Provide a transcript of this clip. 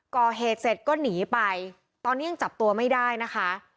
ก่อเหตุเสร็จก็หนีไปตอนนี้ยังจับตัวไม่ได้นะคะ